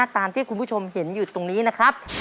ตามที่คุณผู้ชมเห็นอยู่ตรงนี้นะครับ